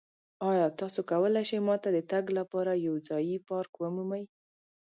ایا تاسو کولی شئ ما ته د تګ لپاره یو ځایی پارک ومومئ؟